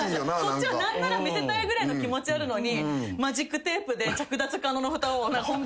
こっちは何なら見せたいぐらいの気持ちなのにマジックテープで着脱可能のフタを本番前にスッて入れて。